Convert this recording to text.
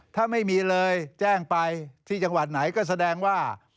ถ้าไม่มีเลยแจ้งไปที่จังหวัดไหนก็แสดงว่า